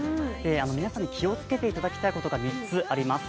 皆さん気をつけていただきたいことが３つあります。